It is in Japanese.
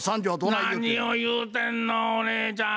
「何を言うてんのお姉ちゃん。